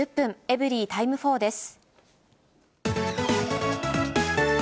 エブリィタイム４です。